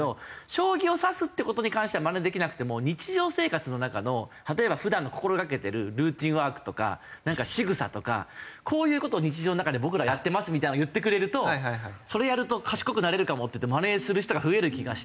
将棋を指すって事に関してはマネできなくても日常生活の中の例えば普段の心掛けてるルーチンワークとかなんかしぐさとかこういう事を日常の中で僕らやってますみたいなのを言ってくれるとそれやると賢くなれるかもっていってマネする人が増える気がして。